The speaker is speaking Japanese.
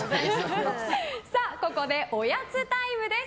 ここで、おやつタイムです。